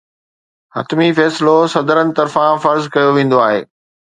حتمي فيصلو صدرن طرفان فرض ڪيو ويندو آهي